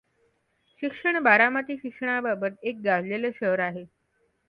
शिक्षण बारामती शिक्षणाबाबत एक गाजलेले शहर आहॆ.